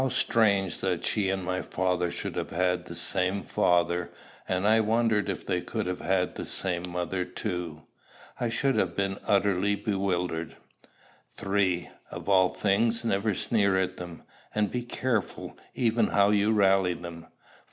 How strange that she and my father should have had the same father I If they had had the same mother, too, I should have been utterly bewildered.] 3. Of all things, never sneer at them; and be careful, even, how you rally them.